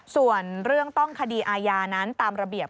ส่วนเรื่องต้องคดีอาญานั้นตามระเบียบ